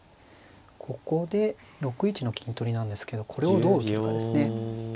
ここで６一の金取りなんですけどこれをどう受けるかですね。